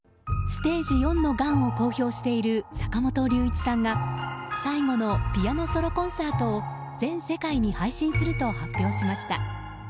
ステージ４のがんを公表している坂本龍一さんが最後のピアノソロコンサートを全世界に配信すると発表しました。